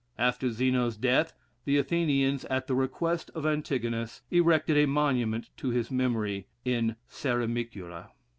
After Zeno's death, the Athenians, at the request of Antigonus, erected a monument to his memory, in the Ceramicura.